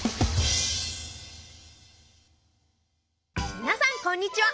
みなさんこんにちは。